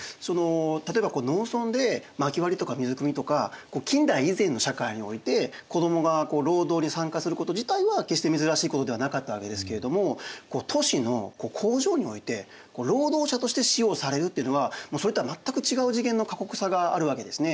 例えば農村でまき割りとか水くみとか近代以前の社会において子どもが労働に参加すること自体は決して珍しいことではなかったわけですけれども都市の工場において労働者として使用されるっていうのはそれとは全く違う次元の過酷さがあるわけですね。